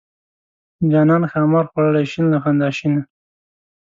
جانان ښامار خوړلی شین له خندا شینه.